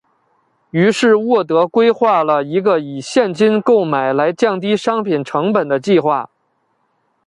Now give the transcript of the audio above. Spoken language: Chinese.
于是沃德规划了一个以现金购买来降低商品成本的计划。